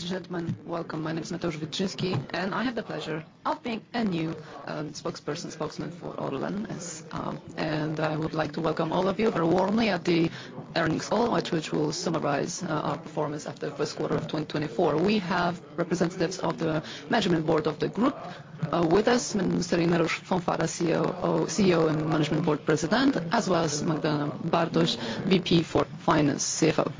Ladies and gentlemen, welcome. My name is Mateusz Witczyński, and I have the pleasure of being a new spokesperson for ORLEN. And I would like to welcome all of you very warmly at the earnings call, which will summarize our performance in the first quarter of 2024. We have representatives of the management board of the group with us, Ireneusz Fąfara, CEO and Management Board President, as well as Magdalena Bartoś, VP for Finance, CFO.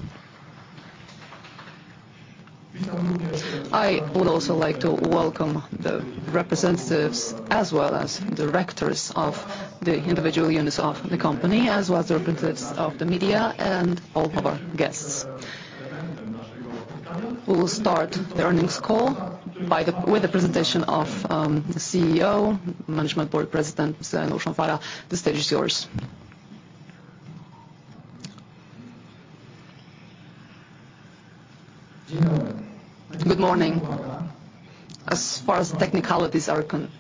I would also like to welcome the representatives, as well as directors of the individual units of the company, as well as representatives of the media and all of our guests. We will start the earnings call with the presentation of the CEO and Management Board President, Ireneusz Fąfara. The stage is yours. Good morning. As far as the technicalities are concerned,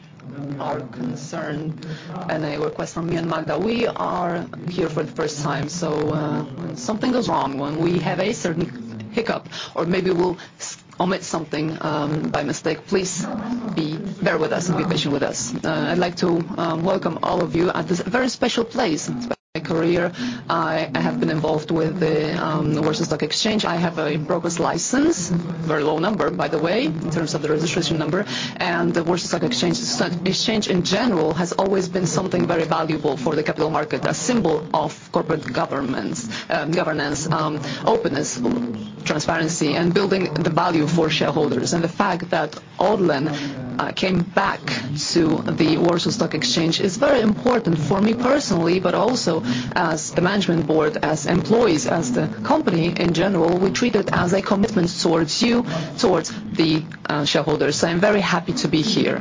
and a request from me and Magda, we are here for the first time, so something goes wrong when we have a certain hiccup, or maybe we'll omit something by mistake, please bear with us and be patient with us. I'd like to welcome all of you at this very special place. In my career, I have been involved with the Warsaw Stock Exchange. I have a broker's license, very low number, by the way, in terms of the registration number, and the Warsaw Stock Exchange. Stock Exchange in general has always been something very valuable for the capital market, a symbol of corporate governance, openness, transparency, and building the value for shareholders. The fact that ORLEN came back to the Warsaw Stock Exchange is very important for me personally, but also as the management board, as employees, as the company in general, we treat it as a commitment towards you, towards the shareholders. So I'm very happy to be here.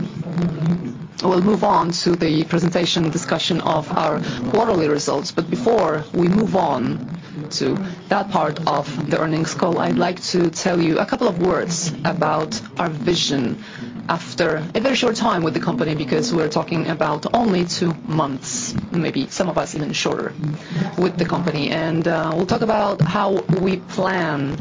We'll move on to the presentation and discussion of our quarterly results, but before we move on to that part of the earnings call, I'd like to tell you a couple of words about our vision after a very short time with the company, because we're talking about only two months, maybe some of us even shorter with the company. And we'll talk about how we plan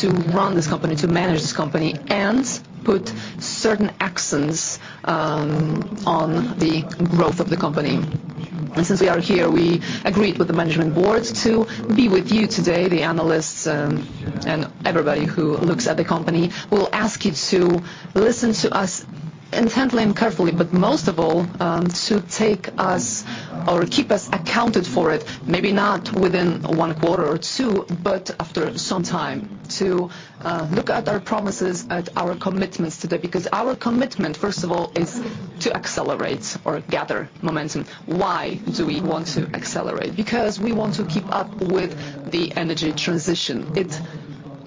to run this company, to manage this company, and put certain accents on the growth of the company. Since we are here, we agreed with the management board to be with you today, the analysts, and everybody who looks at the company. We'll ask you to listen to us intently and carefully, but most of all, to take us or keep us accounted for it, maybe not within one quarter or two, but after some time, to look at our promises, at our commitments today. Because our commitment, first of all, is to accelerate or gather momentum. Why do we want to accelerate? Because we want to keep up with the energy transition. It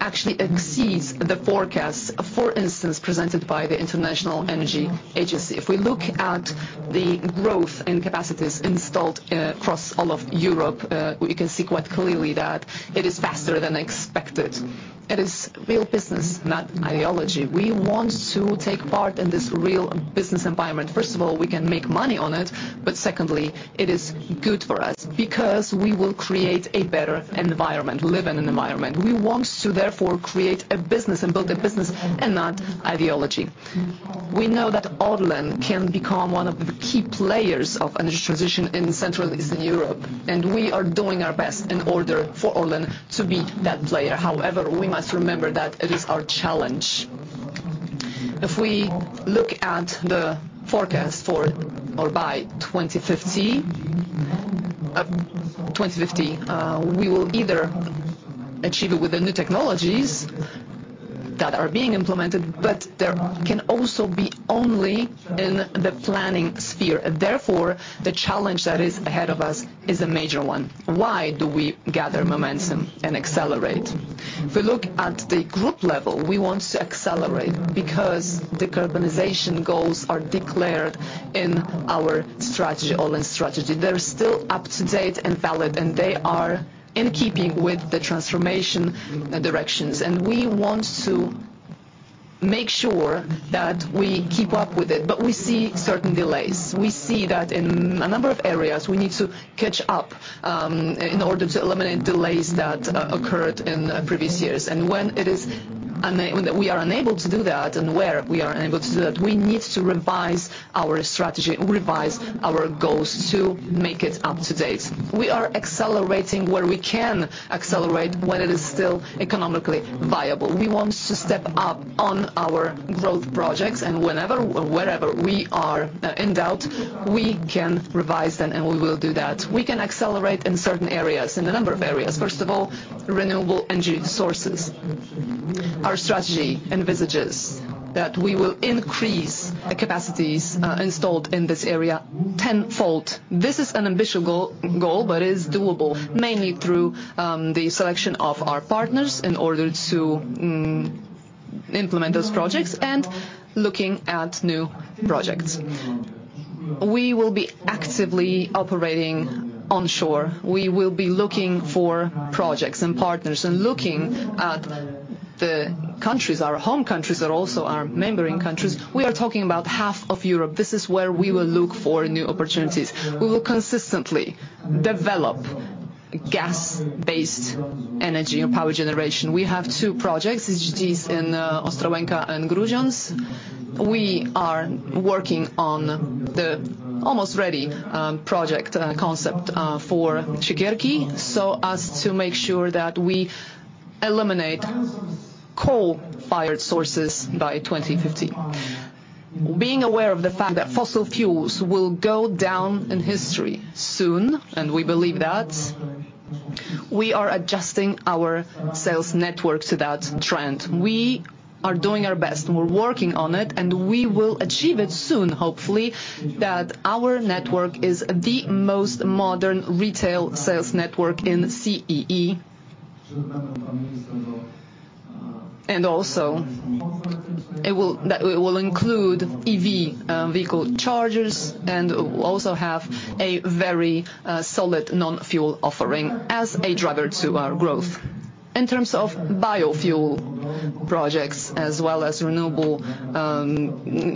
actually exceeds the forecasts, for instance, presented by the International Energy Agency. If we look at the growth in capacities installed, across all of Europe, we can see quite clearly that it is faster than expected. It is real business, not ideology. We want to take part in this real business environment. First of all, we can make money on it, but secondly, it is good for us because we will create a better environment. We live in an environment. We want to therefore create a business and build a business and not ideology. We know that ORLEN can become one of the key players of energy transition in Central and Eastern Europe, and we are doing our best in order for ORLEN to be that player. However, we must remember that it is our challenge. If we look at the forecast by 2050, we will either achieve it with the new technologies that are being implemented, but there can also be only in the planning sphere. Therefore, the challenge that is ahead of us is a major one. Why do we gather momentum and accelerate? If we look at the group level, we want to accelerate because decarbonization goals are declared in our strategy, ORLEN strategy. They're still up-to-date and valid, and they are in keeping with the transformation directions, and we want to make sure that we keep up with it, but we see certain delays. We see that in a number of areas, we need to catch up in order to eliminate delays that occurred in previous years. And when we are unable to do that, and where we are unable to do that, we need to revise our strategy, revise our goals to make it up-to-date. We are accelerating where we can accelerate, when it is still economically viable. We want to step up on our growth projects, and whenever or wherever we are in doubt, we can revise them, and we will do that. We can accelerate in certain areas, in a number of areas. First of all, renewable energy sources. Our strategy envisages that we will increase the capacities installed in this area tenfold. This is an ambitious goal, but it is doable, mainly through the selection of our partners in order to implement those projects and looking at new projects. We will be actively operating onshore. We will be looking for projects and partners, and looking at the countries, our home countries, but also our neighboring countries. We are talking about half of Europe. This is where we will look for new opportunities. We will consistently develop gas-based energy or power generation. We have two projects, CCGTs in Ostrołęka and Grudziądz. We are working on the almost ready project concept for Siekierki, so as to make sure that we eliminate coal-fired sources by 2050. Being aware of the fact that fossil fuels will go down in history soon, and we believe that, we are adjusting our sales network to that trend. We are doing our best, and we're working on it, and we will achieve it soon, hopefully, that our network is the most modern retail sales network in CEE. And also, it will-- that it will include EV vehicle chargers, and it will also have a very solid non-fuel offering as a driver to our growth. In terms of biofuel projects, as well as renewable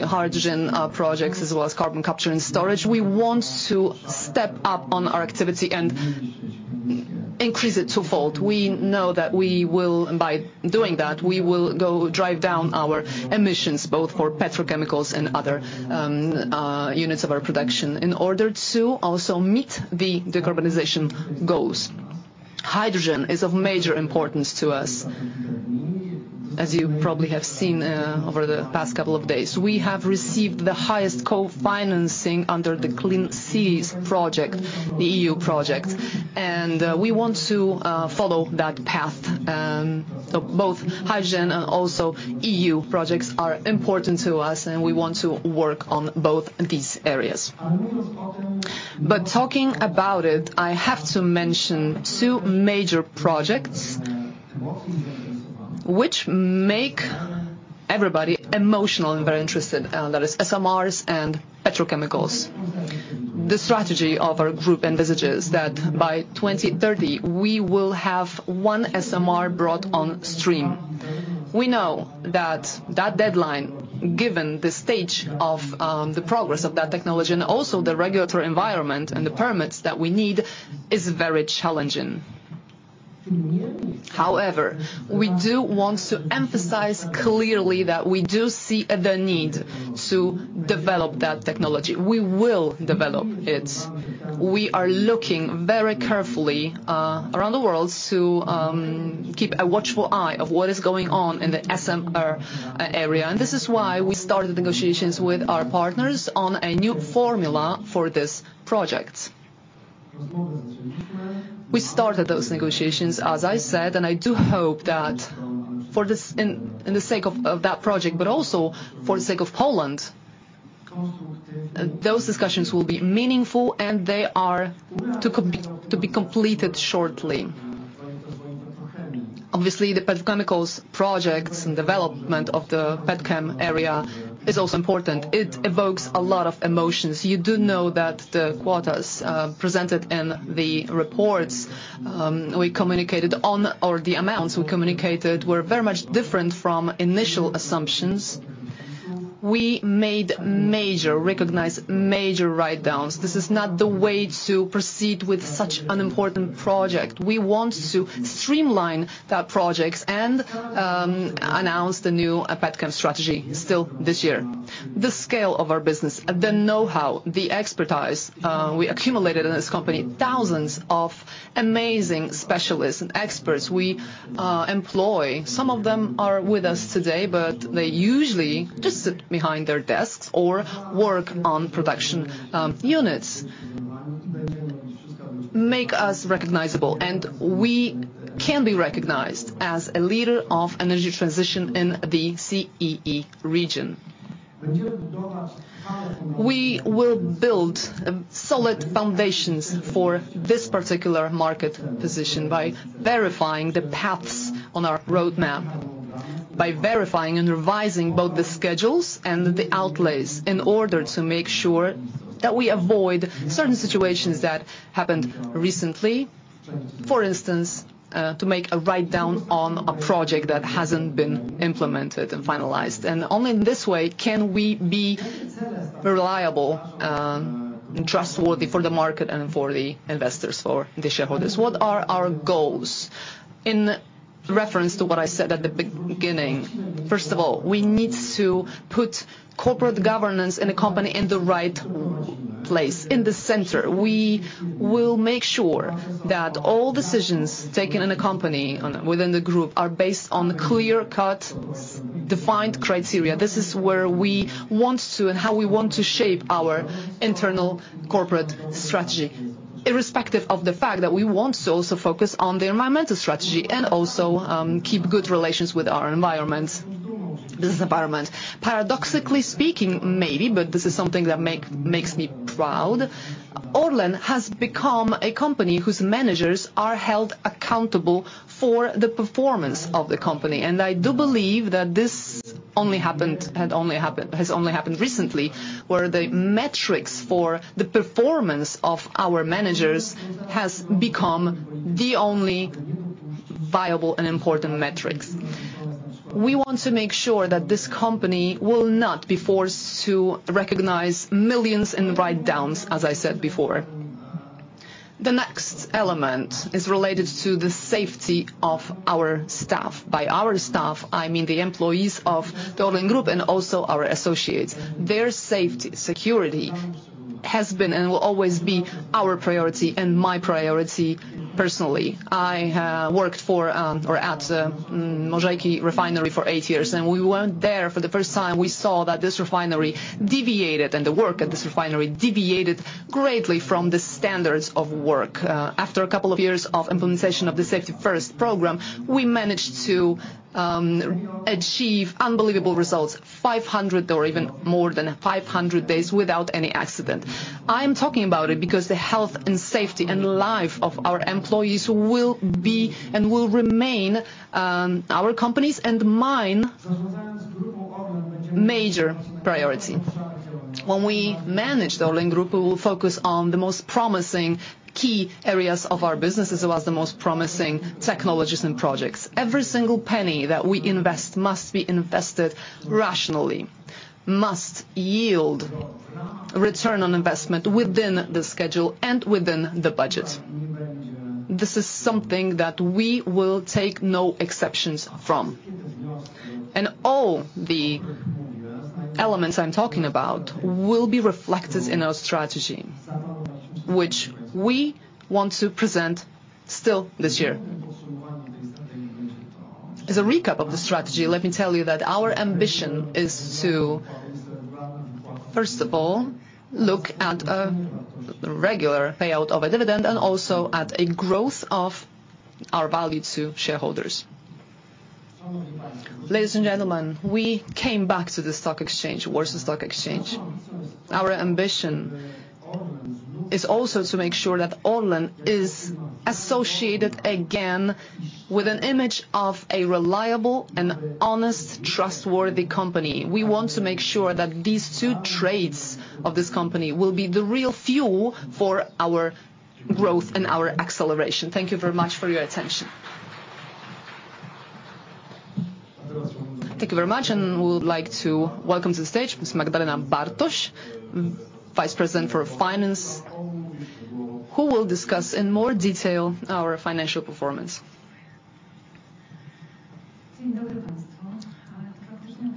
hydrogen projects, as well as carbon capture and storage, we want to step up on our activity and increase it twofold. We know that by doing that, we will drive down our emissions, both for petrochemicals and other units of our production, in order to also meet the decarbonization goals. Hydrogen is of major importance to us, as you probably have seen over the past couple of days. We have received the highest co-financing under the Clean Cities project, the EU project, and we want to follow that path. So both hydrogen and also EU projects are important to us, and we want to work on both these areas. Talking about it, I have to mention two major projects which make everybody emotionally very interested, and that is SMRs and petrochemicals. The strategy of our group envisages that by 2030, we will have one SMR brought on stream. We know that that deadline, given the stage of the progress of that technology, and also the regulatory environment and the permits that we need, is very challenging. However, we do want to emphasize clearly that we do see the need to develop that technology. We will develop it. We are looking very carefully around the world to keep a watchful eye of what is going on in the SMR area, and this is why we started negotiations with our partners on a new formula for this project. We started those negotiations, as I said, and I do hope that for this, in the sake of that project, but also for the sake of Poland, those discussions will be meaningful, and they are to be completed shortly. Obviously, the petrochemicals projects and development of the petchem area is also important. It evokes a lot of emotions. You do know that the quotas presented in the reports we communicated on, or the amounts we communicated, were very much different from initial assumptions. We made major, recognized major write-downs. This is not the way to proceed with such an important project. We want to streamline that project and announce the new petchem strategy still this year. The scale of our business, the know-how, the expertise we accumulated in this company, thousands of amazing specialists and experts we employ. Some of them are with us today, but they usually just sit behind their desks or work on production units, make us recognizable, and we can be recognized as a leader of energy transition in the CEE region. We will build solid foundations for this particular market position by verifying the paths on our roadmap, by verifying and revising both the schedules and the outlays, in order to make sure that we avoid certain situations that happened recently. For instance, to make a write-down on a project that hasn't been implemented and finalized, and only in this way can we be reliable and trustworthy for the market and for the investors, for the shareholders. What are our goals? In reference to what I said at the beginning, first of all, we need to put corporate governance in the company in the right place, in the center. We will make sure that all decisions taken in the company, on, within the group, are based on clear-cut, defined criteria. This is where we want to, and how we want to shape our internal corporate strategy, irrespective of the fact that we want to also focus on the environmental strategy, and also, keep good relations with our environments, this environment. Paradoxically speaking, maybe, but this is something that makes me proud, ORLEN has become a company whose managers are held accountable for the performance of the company. And I do believe that this only happened, had only happened, has only happened recently, where the metrics for the performance of our managers has become the only viable and important metrics.... We want to make sure that this company will not be forced to recognize millions in write-downs, as I said before. The next element is related to the safety of our staff. By our staff, I mean the employees of the ORLEN Group and also our associates. Their safety, security has been and will always be our priority and my priority personally. I have worked for, or at, Mažeikiai Refinery for eight years, and we weren't there for the first time, we saw that this refinery deviated, and the work at this refinery deviated greatly from the standards of work. After a couple of years of implementation of the Safety First program, we managed to achieve unbelievable results, 500, or even more than 500 days without any accident. I'm talking about it because the health and safety and life of our employees will be, and will remain, our company's and mine major priority. When we manage the ORLEN Group, we will focus on the most promising key areas of our businesses, as well as the most promising technologies and projects. Every single penny that we invest must be invested rationally, must yield return on investment within the schedule and within the budget. This is something that we will take no exceptions from. And all the elements I'm talking about will be reflected in our strategy, which we want to present still this year. As a recap of the strategy, let me tell you that our ambition is to, first of all, look at, the regular payout of a dividend, and also at a growth of our value to shareholders. Ladies and gentlemen, we came back to the stock exchange, Warsaw Stock Exchange. Our ambition is also to make sure that ORLEN is associated again with an image of a reliable and honest, trustworthy company. We want to make sure that these two traits of this company will be the real fuel for our growth and our acceleration. Thank you very much for your attention. Thank you very much, and we would like to welcome to the stage, Ms. Magdalena Bartoś, Vice President for Finance, who will discuss in more detail our financial performance.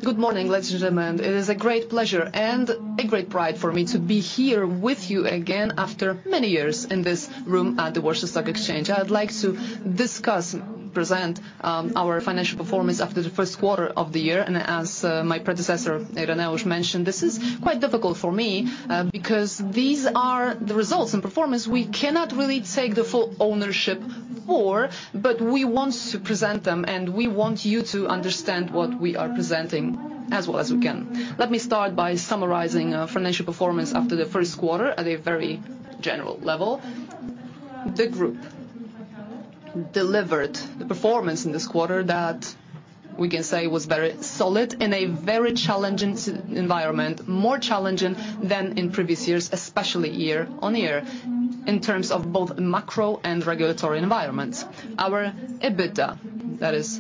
Good morning, ladies and gentlemen. It is a great pleasure and a great pride for me to be here with you again after many years in this room at the Warsaw Stock Exchange. I'd like to discuss, present, our financial performance after the first quarter of the year. As my predecessor, Ireneusz, mentioned, this is quite difficult for me, because these are the results and performance we cannot really take the full ownership for, but we want to present them, and we want you to understand what we are presenting as well as we can. Let me start by summarizing financial performance after the first quarter at a very general level. The group delivered the performance in this quarter that we can say was very solid in a very challenging environment, more challenging than in previous years, especially year-on-year, in terms of both macro and regulatory environments. Our EBITDA, that is,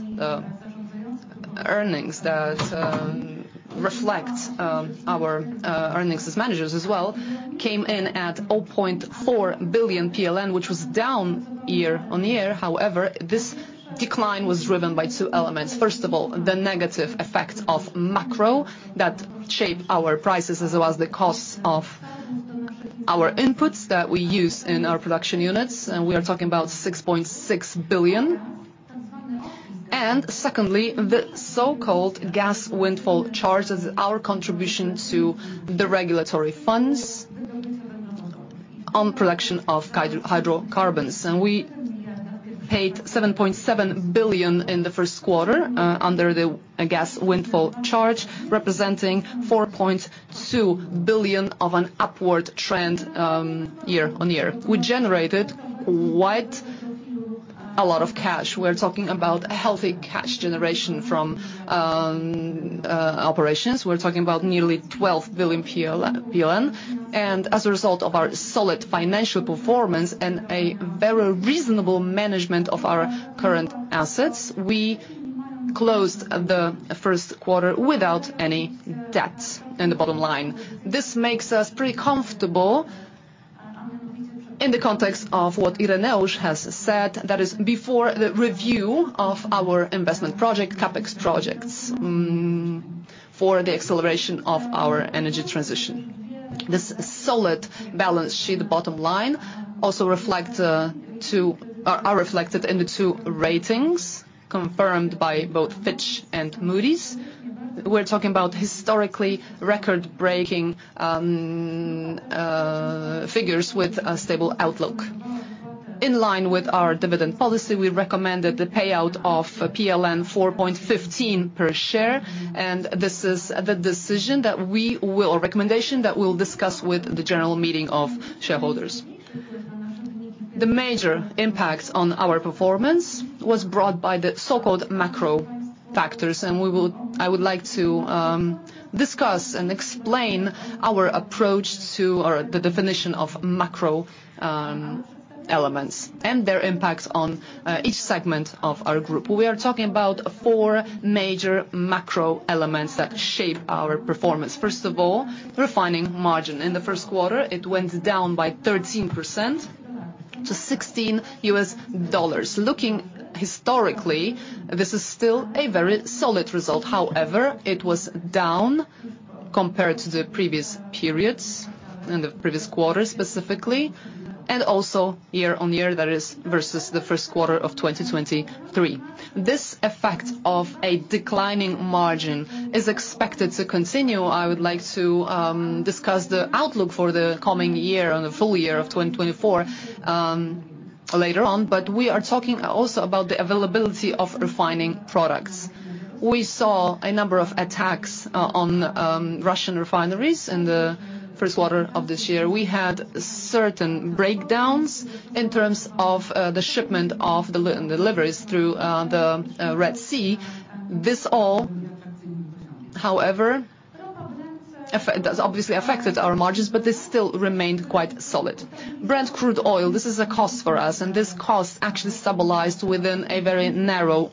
earnings that reflect our earnings as managers as well, came in at 0.4 billion PLN, which was down year-on-year. However, this decline was driven by two elements. First of all, the negative effect of macro that shape our prices, as well as the costs of our inputs that we use in our production units, and we are talking about 6.6 billion. And secondly, the so-called Gas Windfall Charges, our contribution to the regulatory funds on production of hydrocarbons, and we paid 7.7 billion in the first quarter under a Gas Windfall Charge, representing 4.2 billion of an upward trend year-on-year. We generated quite a lot of cash. We're talking about a healthy cash generation from operations. We're talking about nearly 12 billion PLN. And as a result of our solid financial performance and a very reasonable management of our current assets, we closed the first quarter without any debts in the bottom line. This makes us pretty comfortable in the context of what Ireneusz has said, that is, before the review of our investment project, CapEx projects, for the acceleration of our energy transition. This solid balance sheet, the bottom line, also reflect are reflected in the two ratings, confirmed by both Fitch and Moody's. We're talking about historically record-breaking figures with a stable outlook. In line with our dividend policy, we recommended the payout of PLN 4.15 per share, and this is the decision or recommendation that we'll discuss with the general meeting of shareholders. The major impact on our performance was brought by the so-called macro factors, and I would like to discuss and explain our approach to, or the definition of macro elements and their impacts on each segment of our group. We are talking about four major macro elements that shape our performance. First of all, refining margin. In the first quarter, it went down by 13% to $16. Looking historically, this is still a very solid result. However, it was down compared to the previous periods, and the previous quarter specifically, and also year-on-year, that is, versus the first quarter of 2023. This effect of a declining margin is expected to continue. I would like to discuss the outlook for the coming year on the full year of 2024 later on, but we are talking also about the availability of refining products. We saw a number of attacks on Russian refineries in the first quarter of this year. We had certain breakdowns in terms of the shipment of the deliveries through the Red Sea. This all, however, that's obviously affected our margins, but this still remained quite solid. Brent crude oil, this is a cost for us, and this cost actually stabilized within a very narrow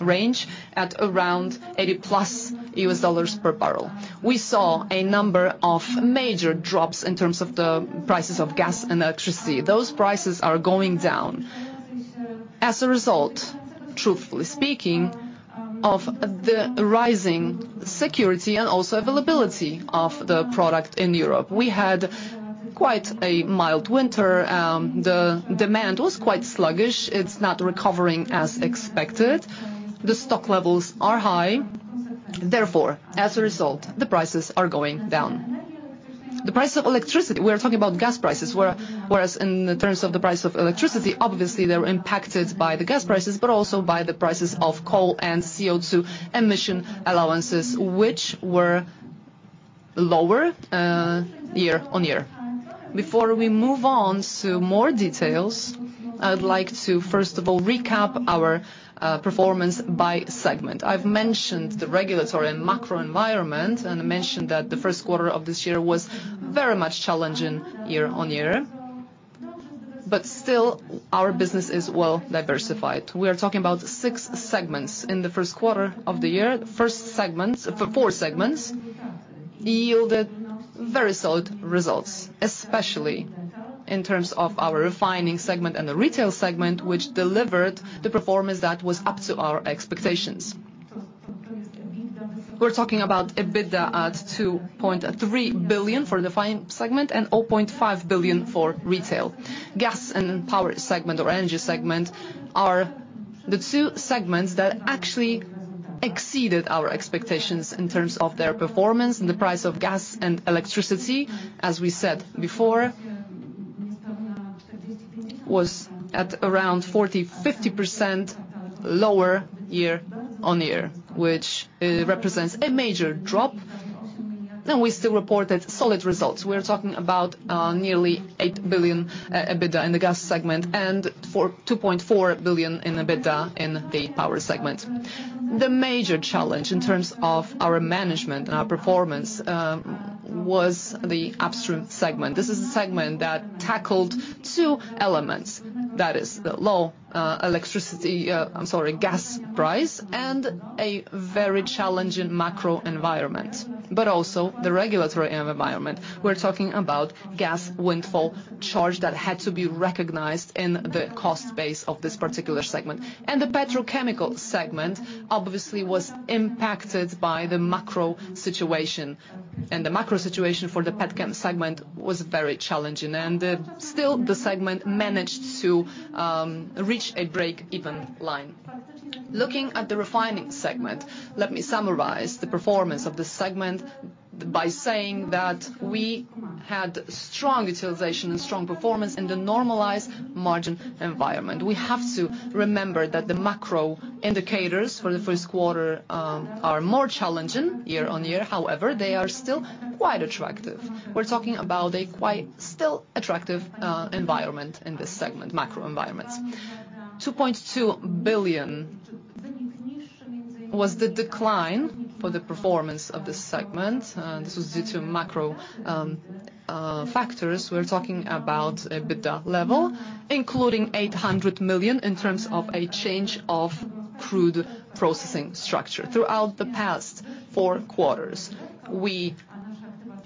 range at around $80+ per barrel. We saw a number of major drops in terms of the prices of gas and electricity. Those prices are going down. As a result, truthfully speaking, of the rising security and also availability of the product in Europe, we had quite a mild winter, the demand was quite sluggish. It's not recovering as expected. The stock levels are high. Therefore, as a result, the prices are going down. The price of electricity... We are talking about gas prices, whereas in terms of the price of electricity, obviously, they're impacted by the gas prices, but also by the prices of coal and CO2 emission allowances, which were lower year-on-year. Before we move on to more details, I would like to, first of all, recap our performance by segment. I've mentioned the regulatory and macro environment, and I mentioned that the first quarter of this year was very much challenging year-on-year, but still, our business is well diversified. We are talking about six segments. In the first quarter of the year, first segments, the four segments, yielded very solid results, especially in terms of Refining segment and the Retail segment, which delivered the performance that was up to our expectations. We're talking about EBITDA at 2.3 billion Refining segment and 0.5 billion for retail. Gas and Power segment or Energy segment are the two segments that actually exceeded our expectations in terms of their performance and the price of gas and electricity, as we said before, was at around 40%-50% lower year-on-year, which represents a major drop, and we still reported solid results. We're talking about nearly 8 billion EBITDA in the gas segment and for 2.4 billion in EBITDA in the Power segment. The major challenge in terms of our management and our performance was the Upstream segment. This is a segment that tackled two elements, that is the low gas price and a very challenging macro environment, but also the regulatory environment. We're talking about Gas Windfall Charge that had to be recognized in the cost base of this particular segment. The Petrochemical segment, obviously, was impacted by the macro situation, and the macro situation for the petchem segment was very challenging, and still, the segment managed to reach a break-even line. Looking at Refining segment, let me summarize the performance of this segment by saying that we had strong utilization and strong performance in the normalized margin environment. We have to remember that the macro indicators for the first quarter are more challenging year-on-year. However, they are still quite attractive. We're talking about a quite still attractive environment in this segment, macro environments. 2.2 billion was the decline for the performance of this segment, this was due to macro factors. We're talking about EBITDA level, including 800 million in terms of a change of crude processing structure. Throughout the past four quarters, we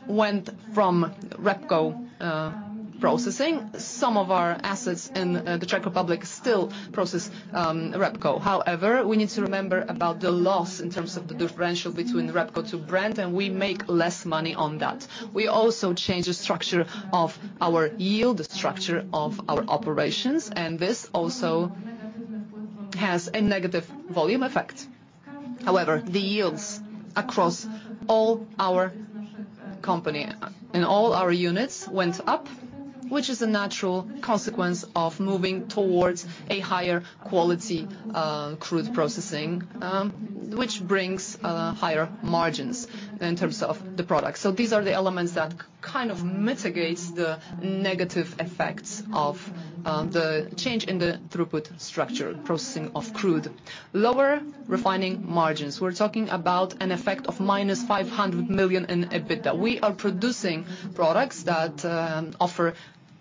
went from REBCO processing. Some of our assets in the Czech Republic still process REBCO. However, we need to remember about the loss in terms of the differential between REBCO to Brent, and we make less money on that. We also change the structure of our yield, the structure of our operations, and this also has a negative volume effect. However, the yields across all our company and all our units went up, which is a natural consequence of moving towards a higher quality crude processing, which brings higher margins in terms of the product. So these are the elements that kind of mitigates the negative effects of the change in the throughput structure, processing of crude. Lower refining margins. We're talking about an effect of -500 million in EBITDA. We are producing products that offer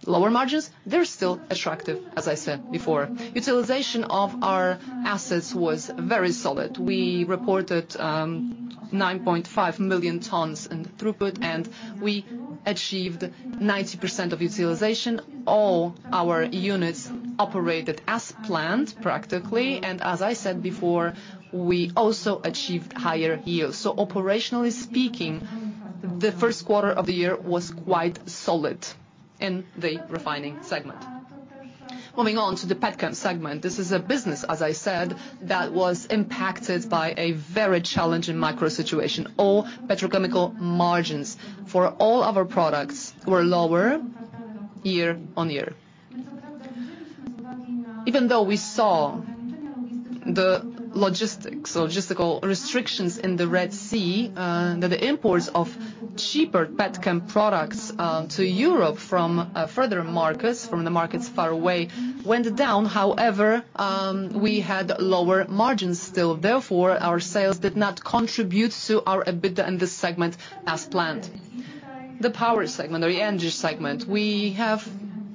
lower margins, they're still attractive, as I said before. Utilization of our assets was very solid. We reported 9.5 million tons in throughput, and we achieved 90% of utilization. All our units operated as planned, practically, and as I said before, we also achieved higher yields. So operationally speaking, the first quarter of the year was quite solid in Refining segment. Moving on to the petchem segment, this is a business, as I said, that was impacted by a very challenging macro situation. All petrochemical margins for all of our products were lower year-on-year. Even though we saw the logistical restrictions in the Red Sea, that the imports of cheaper petchem products to Europe from further markets, from the markets far away, went down. However, we had lower margins still, therefore, our sales did not contribute to our EBITDA in this segment as planned. The Power segment or the Energy segment, we have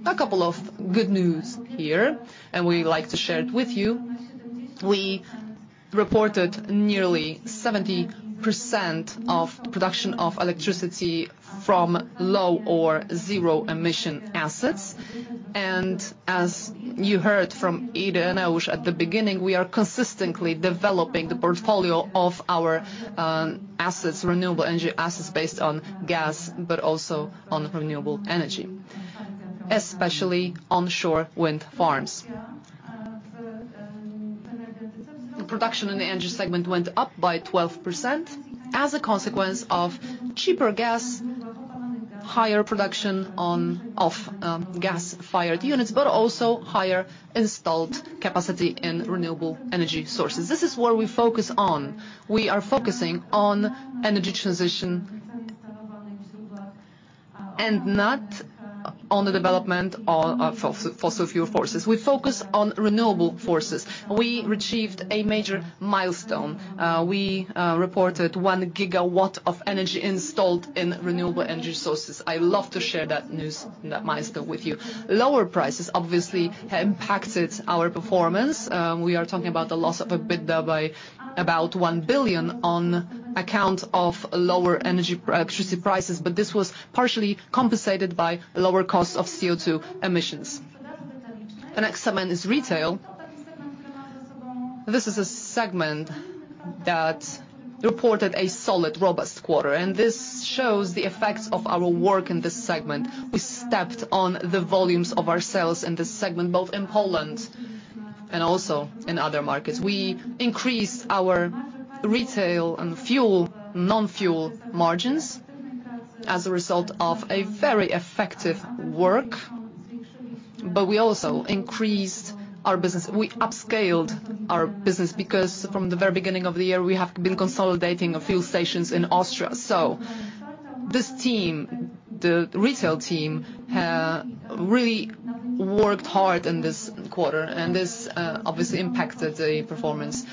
a couple of good news here, and we'd like to share it with you. We reported nearly 70% of production of electricity from low or zero emission assets, and as you heard from Ireneusz at the beginning, we are consistently developing the portfolio of our assets, renewable energy assets based on gas, but also on renewable energy, especially onshore wind farms. The production in the Energy segment went up by 12% as a consequence of cheaper gas, higher production on... Of gas-fired units, but also higher installed capacity in renewable energy sources. This is where we focus on. We are focusing on energy transition and not on the development of fossil fuel sources. We focus on renewable sources. We achieved a major milestone. We reported 1 gigawatt of energy installed in renewable energy sources. I love to share that news, that milestone with you. Lower prices, obviously, have impacted our performance. We are talking about the loss of EBITDA of about 1 billion on account of lower energy electricity prices, but this was partially compensated by lower cost of CO₂ emissions. The next segment is retail. This is a segment that reported a solid, robust quarter, and this shows the effects of our work in this segment. We stepped on the volumes of our sales in this segment, both in Poland and also in other markets. We increased our retail and fuel, non-fuel margins as a result of a very effective work, but we also increased our business. We upscaled our business because from the very beginning of the year, we have been consolidating a few stations in Austria. So this team, the retail team, have really worked hard in this quarter, and this obviously impacted the performance.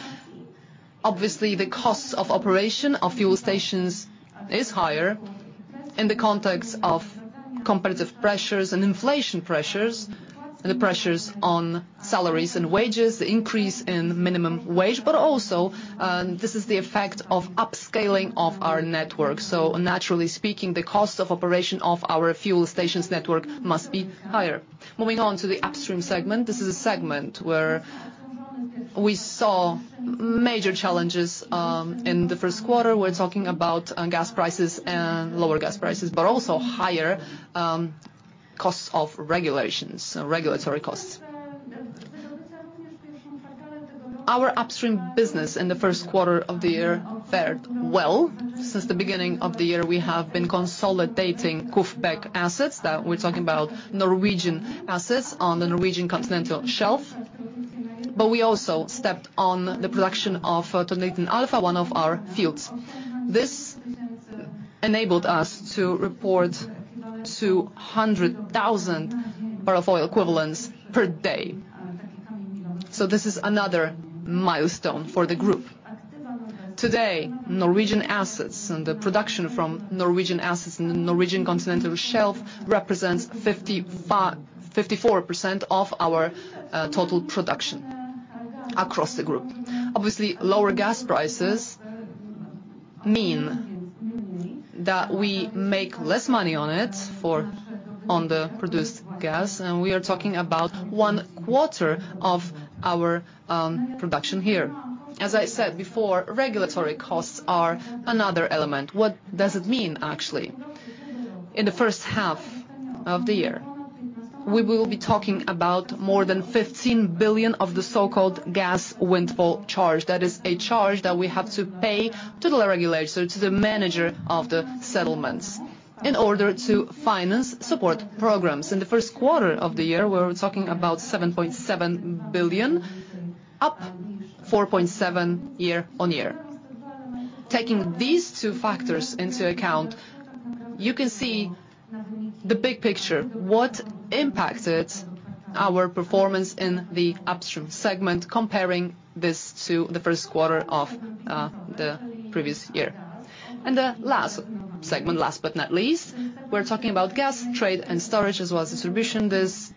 Obviously, the cost of operation of fuel stations is higher in the context of competitive pressures and inflation pressures, and the pressures on salaries and wages, the increase in minimum wage, but also this is the effect of upscaling of our network. So naturally speaking, the cost of operation of our fuel stations network must be higher. Moving on to the Upstream segment, this is a segment where we saw major challenges in the first quarter. We're talking about gas prices and lower gas prices, but also higher costs of regulations, regulatory costs. Our upstream business in the first quarter of the year fared well. Since the beginning of the year, we have been consolidating KUFPEC assets, that we're talking about Norwegian assets on the Norwegian Continental Shelf, but we also stepped on the production of Tommeliten Alpha, one of our fields. This enabled us to report 200,000 barrel oil equivalents per day. So this is another milestone for the group. Today, Norwegian assets and the production from Norwegian assets in the Norwegian Continental Shelf represents 54% of our total production across the group. Obviously, lower gas prices mean that we make less money on it on the produced gas, and we are talking about one quarter of our production here. As I said before, regulatory costs are another element. What does it mean, actually? In the first half of the year, we will be talking about more than 15 billion of the so-called gas windfall charge. That is a charge that we have to pay to the regulator, to the manager of the settlements, in order to finance support programs. In the first quarter of the year, we were talking about 7.7 billion, up 4.7 year-on-year. Taking these two factors into account, you can see the big picture, what impacted our performance in the Upstream segment, comparing this to the first quarter of the previous year. The last segment, last but not least, we're talking about Gas, Trade, and Storage, as well as distribution. This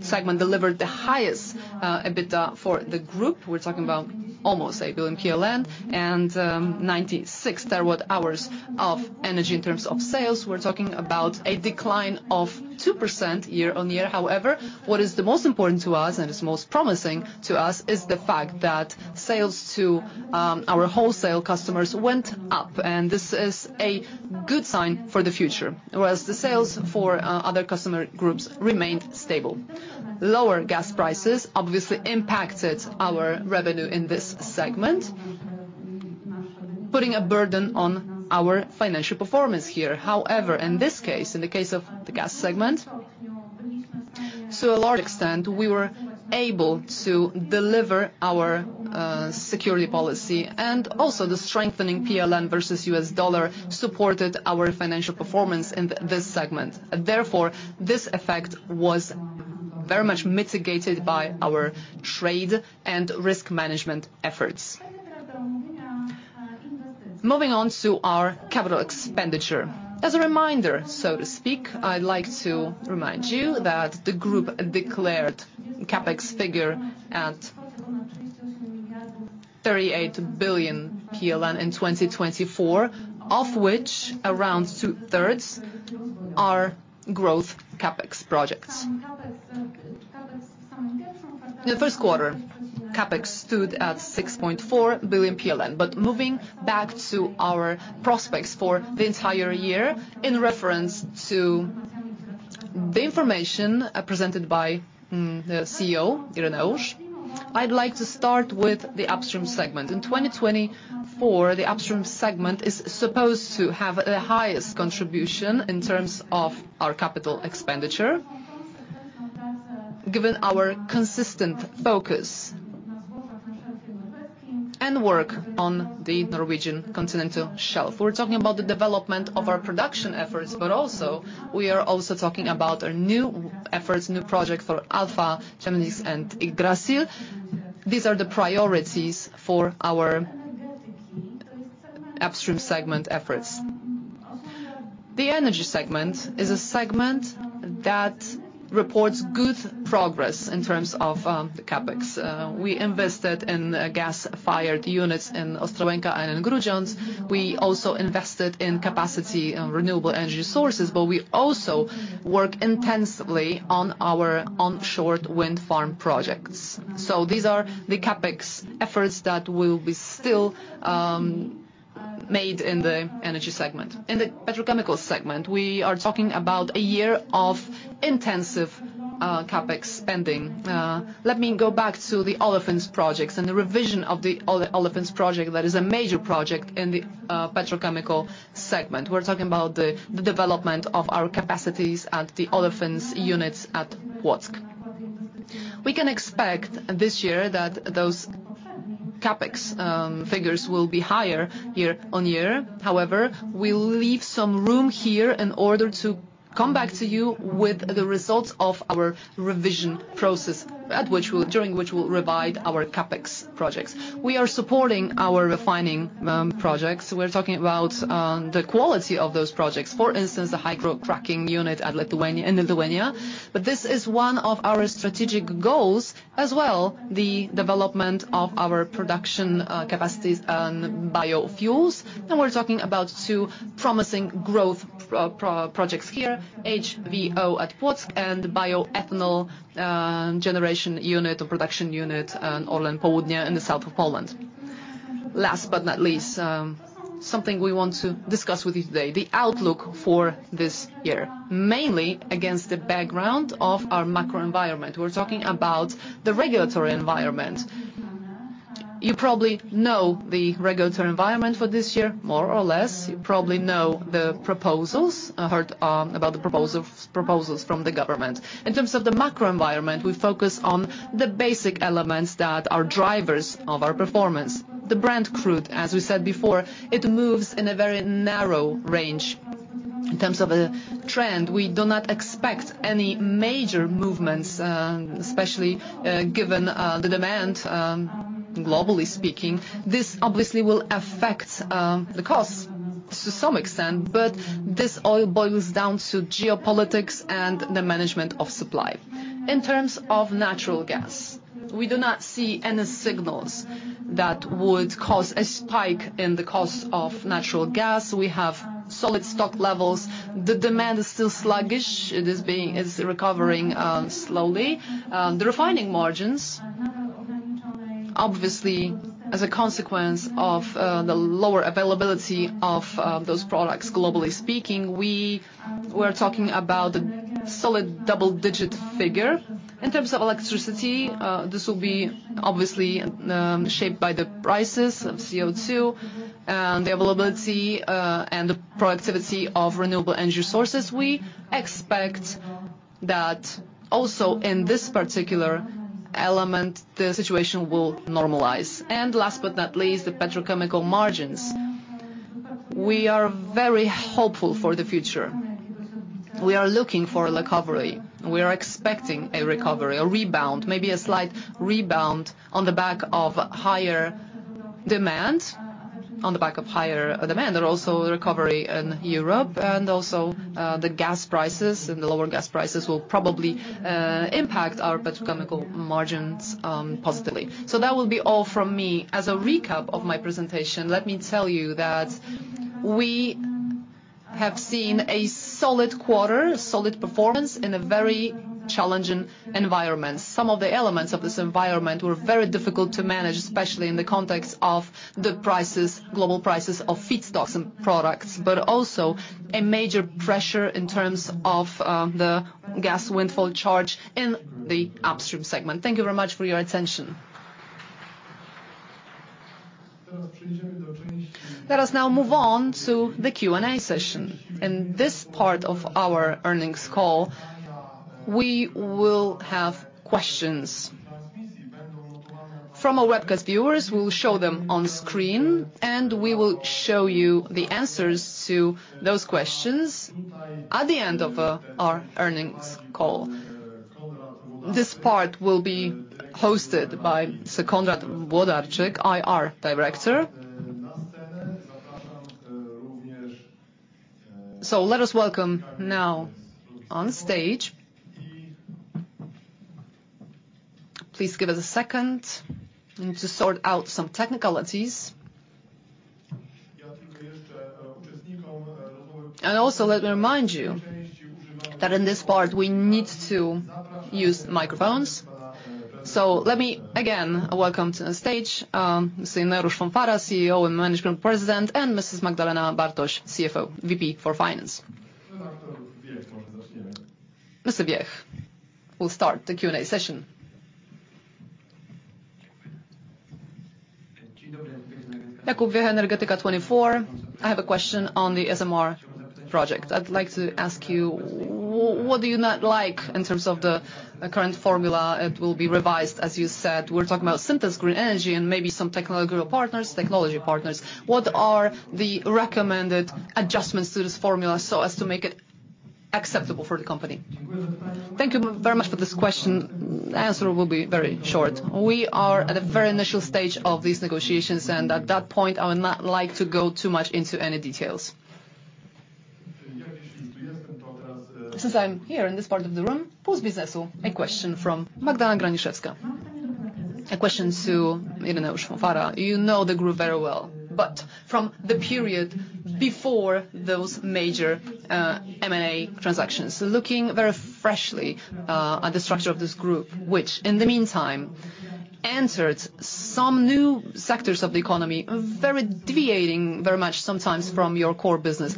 segment delivered the highest EBITDA for the group. We're talking about almost 1 billion PLN and 96 TWh of energy in terms of sales. We're talking about a decline of 2% year-on-year. However, what is the most important to us, and is most promising to us, is the fact that sales to our wholesale customers went up, and this is a good sign for the future, whereas the sales for other customer groups remained stable. Lower gas prices obviously impacted our revenue in this segment, putting a burden on our financial performance here. However, in this case, in the case of the gas segment, to a large extent, we were able to deliver our security policy, and also the strengthening PLN versus US dollar supported our financial performance in this segment. Therefore, this effect was very much mitigated by our trade and risk management efforts. Moving on to our capital expenditure. As a reminder, so to speak, I'd like to remind you that the group declared CapEx figure at 38 billion PLN in 2024, of which around two-thirds are growth CapEx projects. In the first quarter, CapEx stood at 6.4 billion PLN. But moving back to our prospects for the entire year, in reference to the information presented by the CEO, Ireneusz, I'd like to start with the Upstream segment. In 2024, the Upstream segment is supposed to have the highest contribution in terms of our capital expenditure, given our consistent focus and work on the Norwegian Continental Shelf. We're talking about the development of our production efforts, but also, we are also talking about our new efforts, new project for Alpha, Fenris, and Yggdrasil. These are the priorities for our Upstream segment efforts. The Energy segment is a segment that reports good progress in terms of the CapEx. We invested in gas-fired units in Ostrołęka and in Grudziądz. We also invested in capacity and renewable energy sources, but we also work intensively on our onshore wind farm projects. So these are the CapEx efforts that will be still made in the Energy segment. In the Petrochemical segment, we are talking about a year of intensive CapEx spending. Let me go back to the olefins projects and the revision of the olefins project. That is a major project in the Petrochemical segment. We're talking about the development of our capacities at the olefins units at Płock. We can expect this year that those CapEx figures will be higher year-on-year. However, we'll leave some room here in order to come back to you with the results of our revision process, during which we'll revise our CapEx projects. We are supporting our refining projects. We're talking about the quality of those projects, for instance, the hydrocracking unit in Lithuania. But this is one of our strategic goals as well, the development of our production capacities on biofuels. We're talking about two promising growth projects here, HVO at Płock and bioethanol generation unit or production unit ORLEN Południe in the south of Poland. Last but not least, something we want to discuss with you today, the outlook for this year, mainly against the background of our macro environment. We're talking about the regulatory environment. You probably know the regulatory environment for this year, more or less. You probably know the proposals you've heard about, the proposals from the government. In terms of the macro environment, we focus on the basic elements that are drivers of our performance. The Brent crude, as we said before, it moves in a very narrow range. In terms of a trend, we do not expect any major movements, especially given the demand globally speaking. This obviously will affect the costs to some extent, but this all boils down to geopolitics and the management of supply. In terms of natural gas, we do not see any signals that would cause a spike in the cost of natural gas. We have solid stock levels. The demand is still sluggish. It is recovering slowly. The refining margins, obviously, as a consequence of the lower availability of those products, globally speaking, we're talking about a solid double-digit figure. In terms of electricity, this will be obviously shaped by the prices of CO2, and the availability and the productivity of renewable energy sources. We expect that also in this particular element, the situation will normalize. And last but not least, the petrochemical margins. We are very hopeful for the future. We are looking for a recovery. We are expecting a recovery, a rebound, maybe a slight rebound on the back of higher demand, on the back of higher demand, and also recovery in Europe, and also, the gas prices, and the lower gas prices will probably, impact our petrochemical margins, positively. So that will be all from me. As a recap of my presentation, let me tell you that we have seen a solid quarter, a solid performance in a very challenging environment. Some of the elements of this environment were very difficult to manage, especially in the context of the prices, global prices of feedstocks and products, but also a major pressure in terms of, the Gas Windfall Charge in the Upstream segment. Thank you very much for your attention. Let us now move on to the Q&A session. In this part of our earnings call, we will have questions from our webcast viewers. We will show them on screen, and we will show you the answers to those questions at the end of our earnings call. This part will be hosted by Sir Konrad Włodarczak, IR Director. So let us welcome now on stage... Please give us a second. Need to sort out some technicalities. And also, let me remind you that in this part, we need to use microphones. So let me again welcome to the stage, Ireneusz Fąfara, CEO and Management President, and Mrs. Magdalena Bartoś, CFO, VP for Finance. Mr. Wiech will start the Q&A session. Jakub Wiech, Energetyka24. I have a question on the SMR project. I'd like to ask you, what do you not like in terms of the, the current formula? It will be revised, as you said. We're talking about Synthos Green Energy and maybe some technological partners, technology partners. What are the recommended adjustments to this formula so as to make it acceptable for the company? Thank you very much for this question. Answer will be very short. We are at a very initial stage of these negotiations, and at that point, I would not like to go too much into any details. Since I'm here in this part of the room, Puls Biznesu, a question from Magdalena Graniszewska. A question to Ireneusz Fąfara. You know the group very well, but from the period before those major M&A transactions. Looking very freshly at the structure of this group, which in the meantime entered some new sectors of the economy, very deviating very much sometimes from your core business.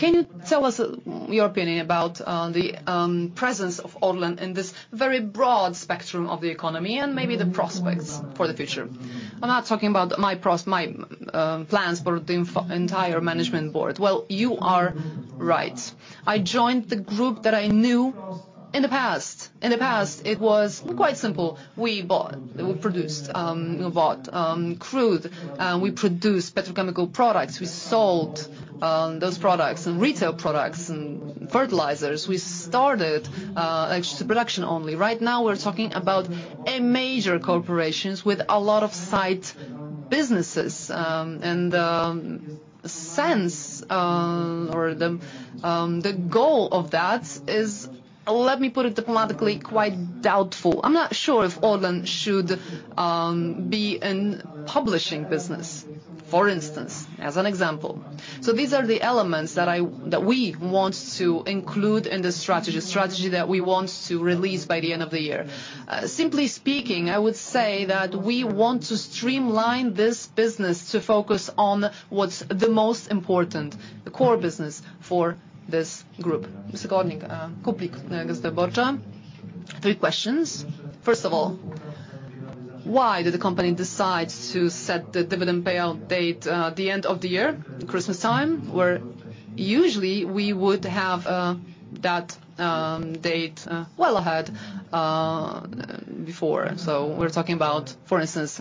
Can you tell us your opinion about the presence of ORLEN in this very broad spectrum of the economy and maybe the prospects for the future? I'm not talking about my plans, but the entire management board. Well, you are right. I joined the group that I knew in the past. In the past, it was quite simple. We bought, we produced, we bought crude, we produced petrochemical products, we sold those products and retail products and fertilizers. We started actually production only. Right now, we're talking about a major corporations with a lot of side businesses, and sense, or the goal of that is, let me put it diplomatically, quite doubtful. I'm not sure if ORLEN should be in publishing business, for instance, as an example. So these are the elements that we want to include in the strategy, strategy that we want to release by the end of the year. Simply speaking, I would say that we want to streamline this business to focus on what's the most important, the core business for this group. Mr. Kublik, Gazeta Wyborcza. Three questions. First of all, why did the company decide to set the dividend payout date, the end of the year, Christmas time, where usually we would have that date well ahead, before? So we're talking about, for instance,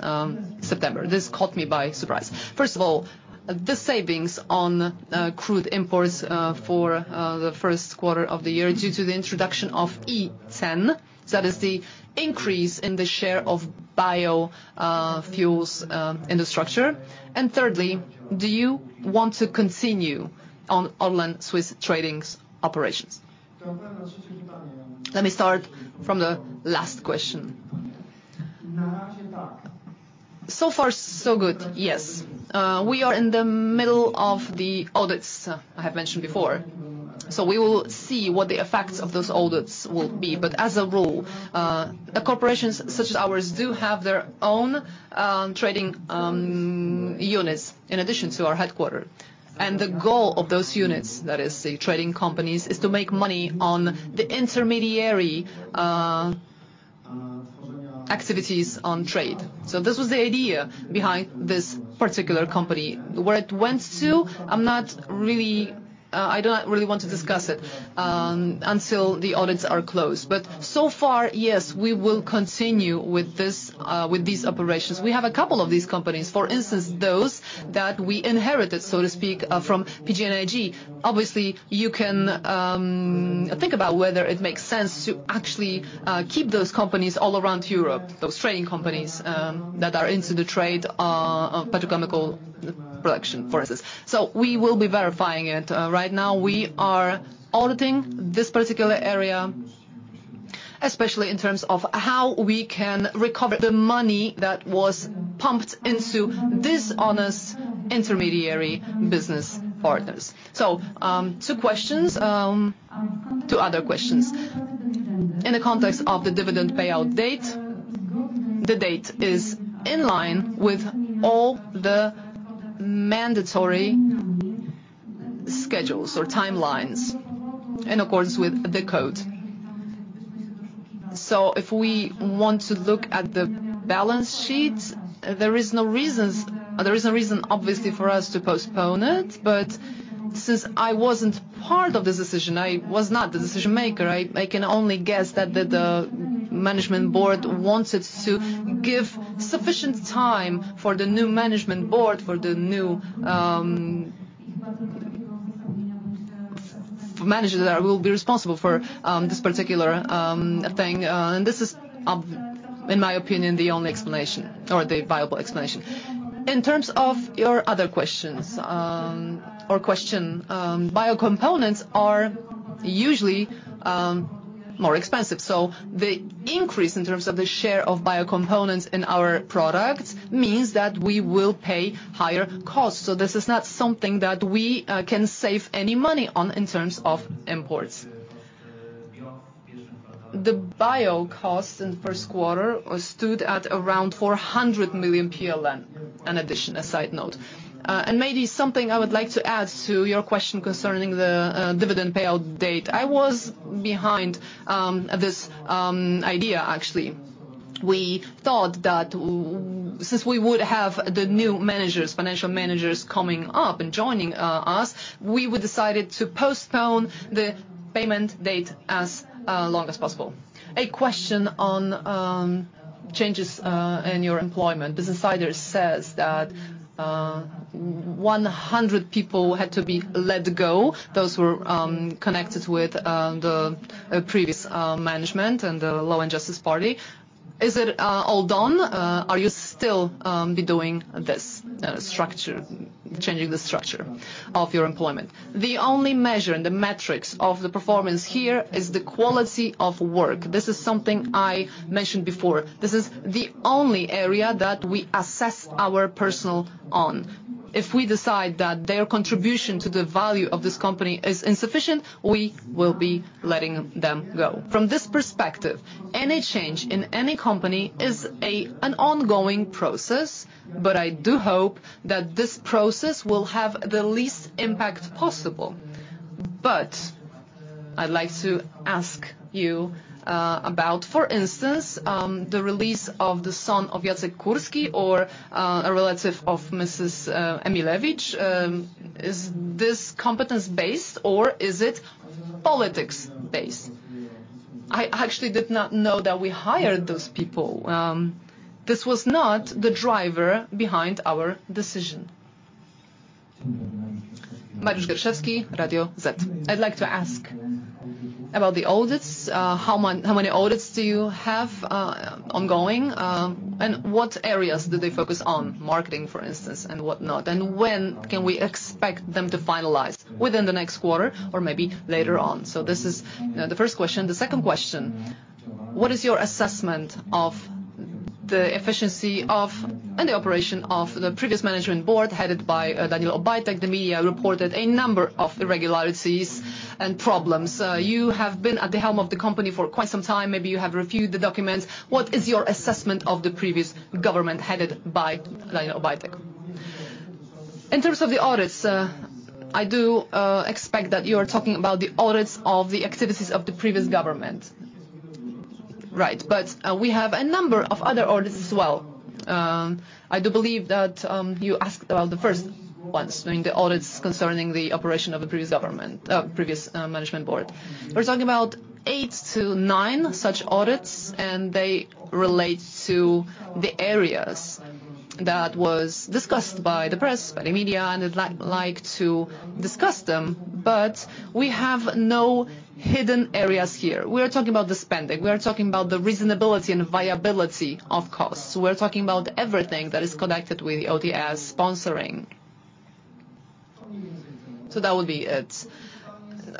September. This caught me by surprise. First of all, the savings on crude imports for the first quarter of the year, due to the introduction of ethanol, that is the increase in the share of biofuels in the structure. And thirdly, do you want to continue on ORLEN Trading Switzerland operations? Let me start from the last question. So far, so good. Yes. We are in the middle of the audits, I have mentioned before. We will see what the effects of those audits will be. But as a rule, the corporations such as ours do have their own, trading, units, in addition to our headquarters. And the goal of those units, that is the trading companies, is to make money on the intermediary activities on trade. This was the idea behind this particular company. Where it went to, I'm not really, I don't really want to discuss it, until the audits are closed. But so far, yes, we will continue with this, with these operations. We have a couple of these companies, for instance, those that we inherited, so to speak, from PGNiG. Obviously, you can think about whether it makes sense to actually keep those companies all around Europe, those trading companies, that are into the trade of petrochemical production, for instance. So we will be verifying it. Right now, we are auditing this particular area, especially in terms of how we can recover the money that was pumped into dishonest intermediary business partners. So, two questions, two other questions. In the context of the dividend payout date, the date is in line with all the mandatory schedules or timelines, in accordance with the code. So if we want to look at the balance sheet, there is no reason, obviously, for us to postpone it, but since I wasn't part of this decision, I was not the decision maker, I can only guess that the management board wanted to give sufficient time for the new management board, for the new managers that will be responsible for this particular thing. And this is in my opinion, the only explanation or the viable explanation. In terms of your other questions, or question, biocomponents are usually more expensive, so the increase in terms of the share of biocomponents in our products means that we will pay higher costs. So this is not something that we can save any money on in terms of imports. The bio costs in the first quarter stood at around 400 million PLN, in addition, a side note. And maybe something I would like to add to your question concerning the dividend payout date. I was behind this idea, actually. We thought that since we would have the new managers, financial managers coming up and joining us, we would decide to postpone the payment date as long as possible. A question on changes in your employment. Business Insider says that 100 people had to be let go. Those were connected with the previous management and the Law and Justice Party. Is it all done? Are you still be doing this structure, changing the structure of your employment? The only measure and the metrics of the performance here is the quality of work. This is something I mentioned before. This is the only area that we assess our personnel on. If we decide that their contribution to the value of this company is insufficient, we will be letting them go. From this perspective, any change in any company is an ongoing process, but I do hope that this process will have the least impact possible. But I'd like to ask you about, for instance, the release of the son of Jacek Kurski or a relative of Mrs. Emilewicz. Is this competence-based or is it politics-based? I actually did not know that we hired those people. This was not the driver behind our decision. Mariusz Gierszewski, Radio ZET. I'd like to ask about the audits. How many audits do you have ongoing? And what areas do they focus on? Marketing, for instance, and what not? And when can we expect them to finalize, within the next quarter or maybe later on? So this is the first question. The second question: What is your assessment of the efficiency of, and the operation of the previous management board, headed by Daniel Obajtek? The media reported a number of irregularities and problems. You have been at the helm of the company for quite some time. Maybe you have reviewed the documents. What is your assessment of the previous government, headed by Daniel Obajtek? In terms of the audits, I do expect that you are talking about the audits of the activities of the previous government. Right, but we have a number of other audits as well. I do believe that you asked about the first ones, meaning the audits concerning the operation of the previous government, previous management board. We're talking about 8-9 such audits, and they relate to the areas that was discussed by the press, by the media, and I'd like to discuss them, but we have no hidden areas here. We are talking about the spending, we are talking about the reasonability and viability of costs. We're talking about everything that is connected with OTS sponsoring. So that would be it.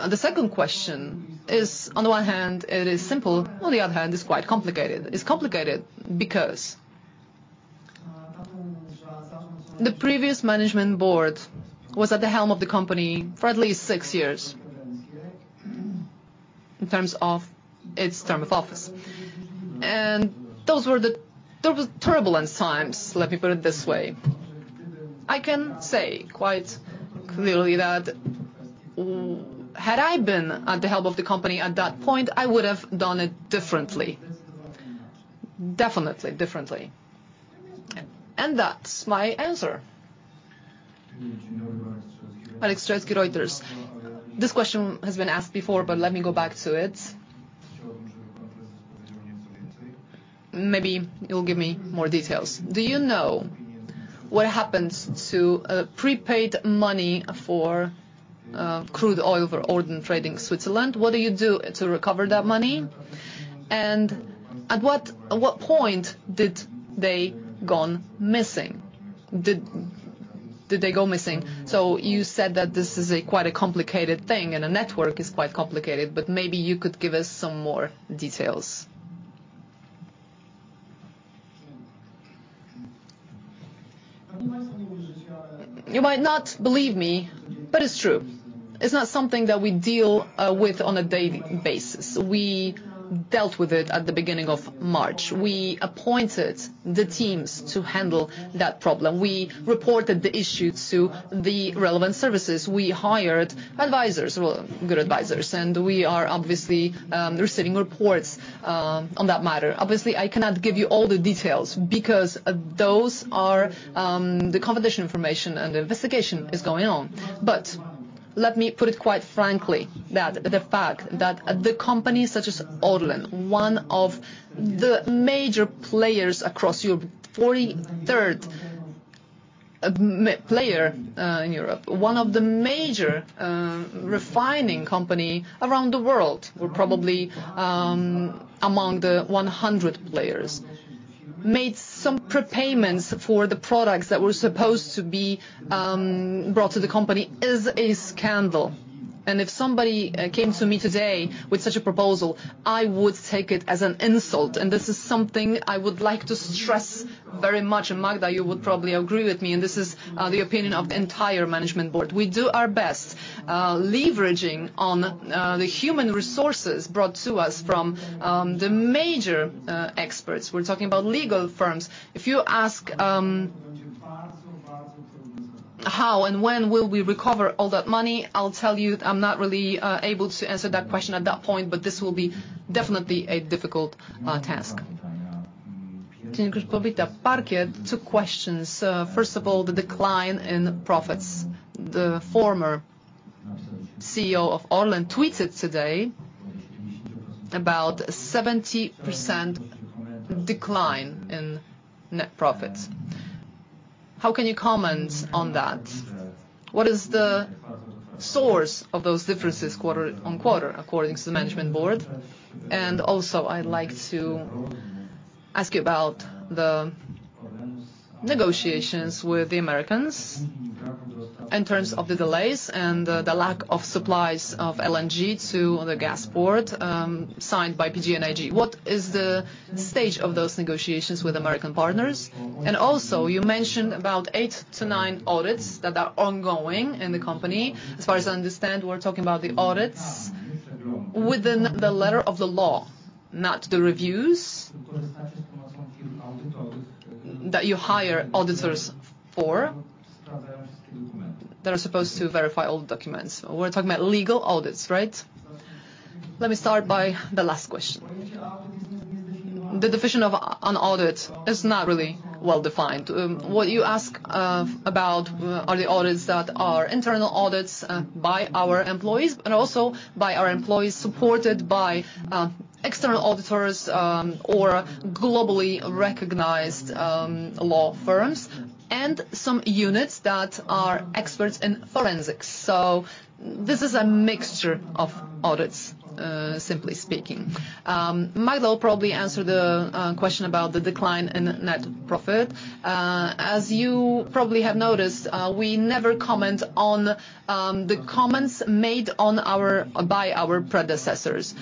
The second question is, on the one hand, it is simple, on the other hand, it's quite complicated. It's complicated because the previous management board was at the helm of the company for at least 6 years, in terms of its term of office. And those were the... Those were turbulent times, let me put it this way... I can say quite clearly that, had I been at the helm of the company at that point, I would have done it differently. Definitely differently. And that's my answer. Marek Strzelecki, Reuters. This question has been asked before, but let me go back to it. Maybe you'll give me more details. Do you know what happened to prepaid money for crude oil for ORLEN Trading Switzerland? What do you do to recover that money? And at what point did they gone missing? Did they go missing? So you said that this is a quite a complicated thing and the network is quite complicated, but maybe you could give us some more details. You might not believe me, but it's true. It's not something that we deal with on a daily basis. We dealt with it at the beginning of March. We appointed the teams to handle that problem. We reported the issue to the relevant services. We hired advisors, well, good advisors, and we are obviously receiving reports on that matter. Obviously, I cannot give you all the details because those are the confidential information and the investigation is going on. But let me put it quite frankly, that the fact that the company such as ORLEN, one of the major players across Europe, 43rd player in Europe, one of the major refining company around the world, we're probably among the 100 players, made some prepayments for the products that were supposed to be brought to the company, is a scandal. And if somebody came to me today with such a proposal, I would take it as an insult, and this is something I would like to stress very much. And Magda, you would probably agree with me, and this is the opinion of the entire management board. We do our best, leveraging on the human resources brought to us from the major experts. We're talking about legal firms. If you ask how and when will we recover all that money, I'll tell you, I'm not really able to answer that question at that point, but this will be definitely a difficult task. Two questions. First of all, the decline in profits. The former CEO of ORLEN tweeted today about 70% decline in net profits. How can you comment on that? What is the source of those differences quarter-on-quarter, according to the management board? And also, I'd like to ask you about the negotiations with the Americans in terms of the delays and the, the lack of supplies of LNG to the gas port, signed by PGNiG. What is the stage of those negotiations with American partners? And also, you mentioned about 8-9 audits that are ongoing in the company. As far as I understand, we're talking about the audits within the letter of the law, not the reviews that you hire auditors for, that are supposed to verify all the documents. We're talking about legal audits, right? Let me start by the last question. The definition of an audit is not really well-defined. What you ask about are the audits that are internal audits by our employees, but also by our employees, supported by external auditors or globally recognized law firms, and some units that are experts in forensics. So this is a mixture of audits, simply speaking. Magda will probably answer the question about the decline in net profit. As you probably have noticed, we never comment on the comments made on our—by our predecessors.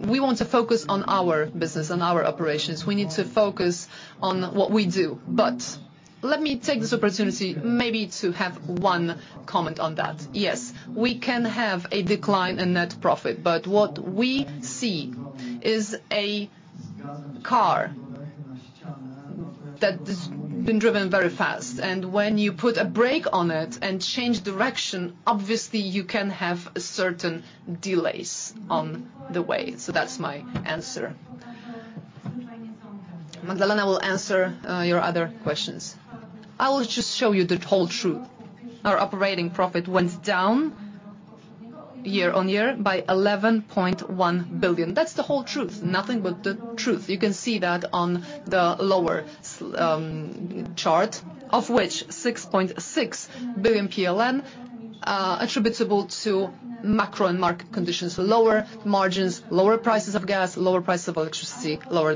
We want to focus on our business and our operations. We need to focus on what we do. But let me take this opportunity maybe to have one comment on that. Yes, we can have a decline in net profit, but what we see is a car that has been driven very fast, and when you put a brake on it and change direction, obviously you can have certain delays on the way. So that's my answer. Magdalena will answer, your other questions. I will just show you the whole truth. Our operating profit went down year-on-year by 11.1 billion. That's the whole truth, nothing but the truth. You can see that on the lower chart, of which 6.6 billion PLN, attributable to macro and market conditions, lower margins, lower prices of gas, lower prices of electricity, lower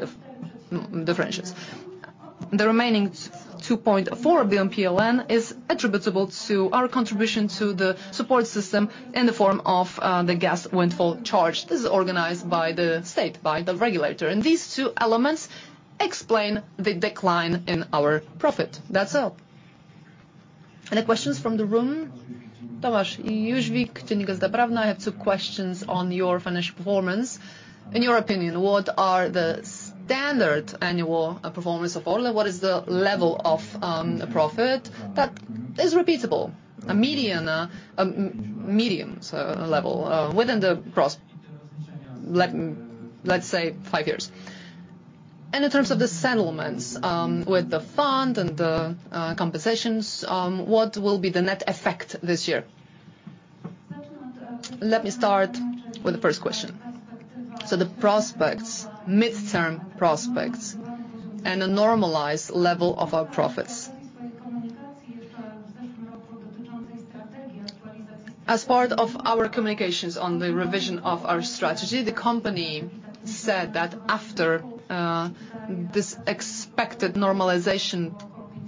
the differentials. The remaining 2.4 billion PLN is attributable to our contribution to the support system in the form of, the gas windfall charge. This is organized by the state, by the regulator, and these two elements explain the decline in our profit. That's all. Any questions from the room? Tomasz Jóźwik, Dziennik Gazeta Prawna. I have two questions on your financial performance. In your opinion, what are the standard annual performance of ORLEN? What is the level of the profit that is repeatable? A median, medium, so, level within the pros-let's say five years. And in terms of the settlements with the fund and the compensations, what will be the net effect this year? Let me start with the first question. So the prospects, midterm prospects, and a normalized level of our profits. As part of our communications on the revision of our strategy, the company said that after this expected normalization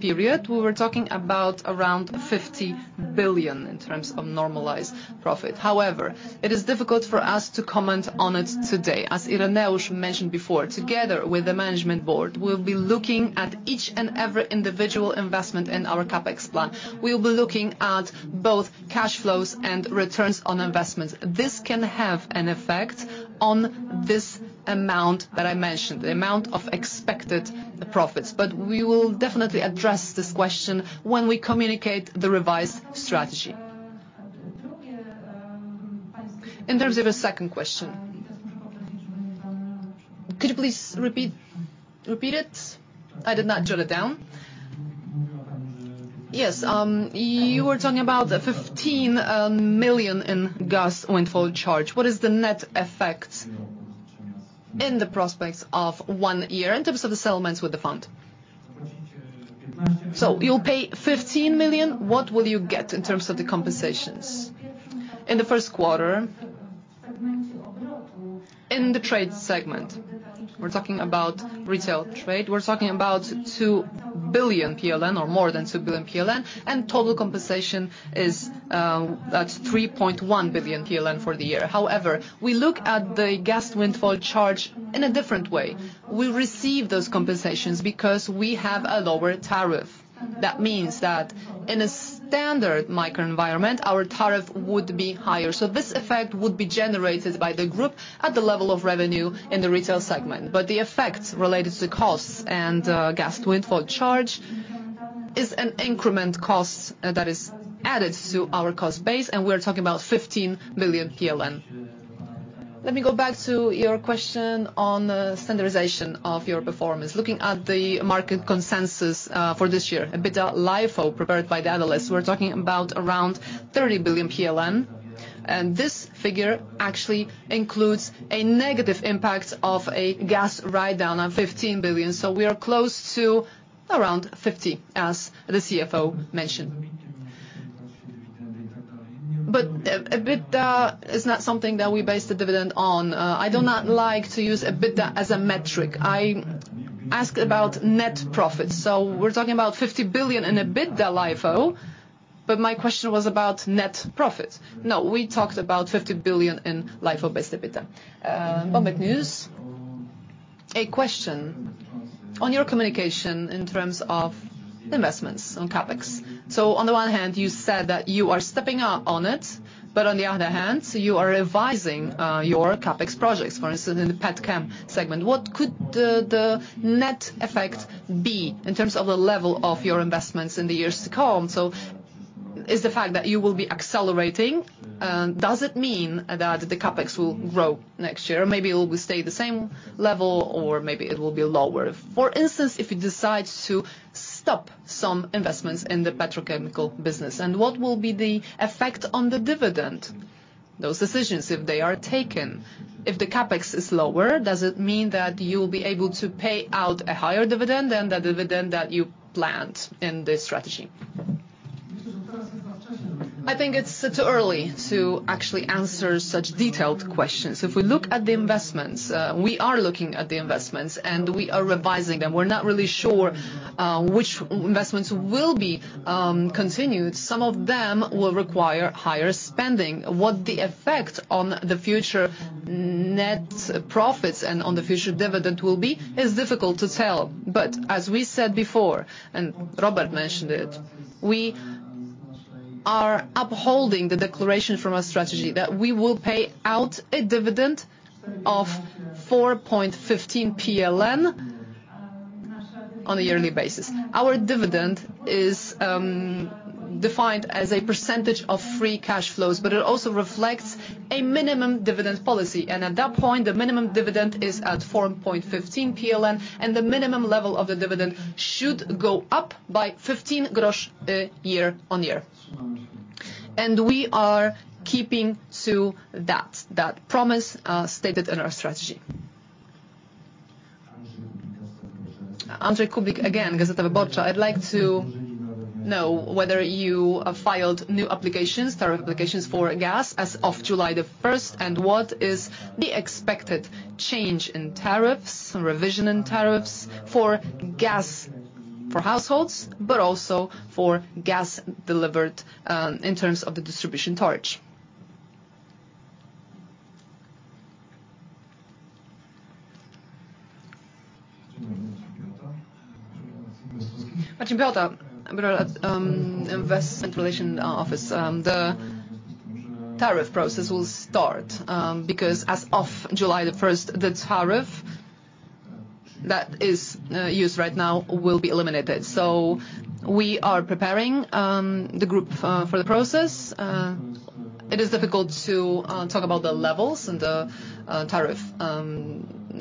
period, we were talking about around 50 billion in terms of normalized profit. However, it is difficult for us to comment on it today. As Ireneusz mentioned before, together with the management board, we'll be looking at each and every individual investment in our CapEx plan. We'll be looking at both cash flows and returns on investments. This can have an effect on this amount that I mentioned, the amount of expected profits. But we will definitely address this question when we communicate the revised strategy. In terms of a second question, could you please repeat, repeat it? I did not jot it down. Yes, you were talking about the 15 million in Gas Windfall Charge. What is the net effect in the prospects of one year in terms of the settlements with the fund? So you'll pay 15 million, what will you get in terms of the compensations? In the first quarter, in the trade segment, we're talking about retail trade. We're talking about 2 billion PLN or more than 2 billion PLN, and total compensation is, that's 3.1 billion PLN for the year. However, we look at the gas windfall charge in a different way. We receive those compensations because we have a lower tariff. That means that in a standard microenvironment, our tariff would be higher. So this effect would be generated by the group at the level of revenue in the Retail segment. But the effect related to costs and, gas windfall charge is an increment cost, that is added to our cost base, and we're talking about 15 million PLN. Let me go back to your question on, standardization of your performance. Looking at the market consensus, for this year, EBITDA LIFO, prepared by the analysts, we're talking about around 30 billion PLN, and this figure actually includes a negative impact of a gas write-down of 15 billion. So we are close to around 50 billion, as the CFO mentioned. But, EBITDA is not something that we base the dividend on. I do not like to use EBITDA as a metric. I ask about net profits. So we're talking about 50 billion in EBITDA LIFO, but my question was about net profits. No, we talked about 50 billion in LIFO-based EBITDA. Bloomberg News. A question on your communication in terms of investments on CapEx. So on the one hand, you said that you are stepping up on it, but on the other hand, you are revising, your CapEx projects, for instance, in the petchem segment. What could the net effect be in terms of the level of your investments in the years to come? So is the fact that you will be accelerating, does it mean that the CapEx will grow next year? Or maybe it will stay the same level, or maybe it will be lower. For instance, if you decide to stop some investments in the petrochemical business, and what will be the effect on the dividend? Those decisions, if they are taken, if the CapEx is lower, does it mean that you will be able to pay out a higher dividend than the dividend that you planned in the strategy? I think it's too early to actually answer such detailed questions. If we look at the investments, we are looking at the investments, and we are revising them. We're not really sure, which investments will be continued. Some of them will require higher spending. What the effect on the future net profits and on the future dividend will be is difficult to tell. But as we said before, and Robert mentioned it, we are upholding the declaration from our strategy that we will pay out a dividend of 4.15 PLN on a yearly basis. Our dividend is defined as a percentage of free cash flows, but it also reflects a minimum dividend policy. And at that point, the minimum dividend is at 4.15 PLN, and the minimum level of the dividend should go up by 0.15 PLN year-over-year. And we are keeping to that promise stated in our strategy. Andrzej Kublik, again, Gazeta Wyborcza. I'd like to know whether you filed new applications, tariff applications for gas as of July the first, and what is the expected change in tariffs and revision in tariffs for gas for households, but also for gas delivered, in terms of the distribution tariff? But in PGNiG Investor Relations Office, the tariff process will start, because as of July the first, the tariff that is used right now will be eliminated. So we are preparing the group for the process. It is difficult to talk about the levels and the tariff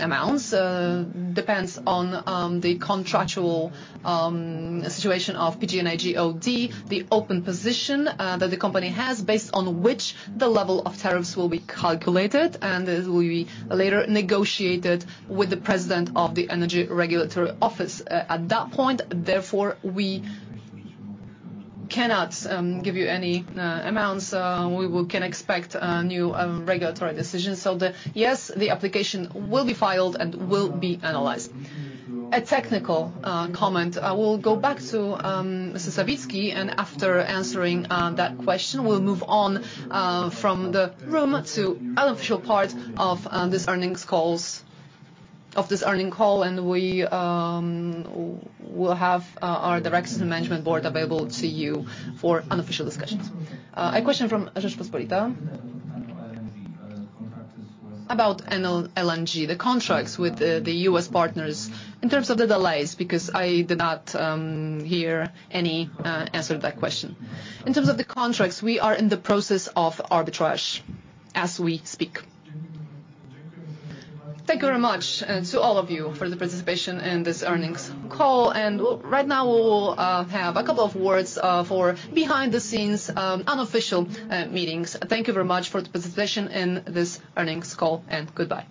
amounts, depends on the contractual situation of PGNiG, the open position that the company has, based on which the level of tariffs will be calculated, and will be later negotiated with the president of the Energy Regulatory Office. At that point, therefore, we cannot give you any amounts we can expect new regulatory decisions. So yes, the application will be filed and will be analyzed. A technical comment. I will go back to Mr. Sawicki, and after answering that question, we'll move on from the room to unofficial part of this earnings calls, of this earning call, and we will have our directors and management board available to you for unofficial discussions. A question from Rzeczpospolita? About LNG contracts with— About NL— LNG, the contracts with the US partners in terms of the delays, because I did not hear any answer to that question. In terms of the contracts, we are in the process of arbitration as we speak. Thank you very much to all of you for the participation in this earnings call, and right now, we will have a couple of words for behind the scenes, unofficial meetings. Thank you very much for the participation in this earnings call, and goodbye.